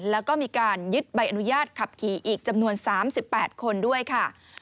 แล้วก็มีการยึดใบอนุญาตขับขี่อีกจำนวน๓๘คนด้วยค่ะ